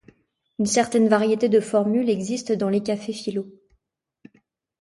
Une certaine variété de formule existe dans les cafés-philo.